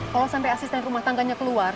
kalo sampe asisten rumah tangganya keluar